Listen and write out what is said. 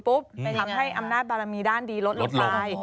ไปทำให้อำนาจบารมีด้านดีลดลงไป